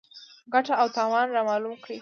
ګټه او تاوان رامعلوم کړي.